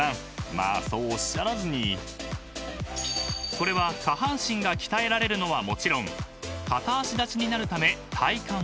［これは下半身が鍛えられるのはもちろん片足立ちになるため体幹を］